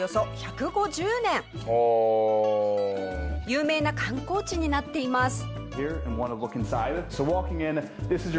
有名な観光地になっています。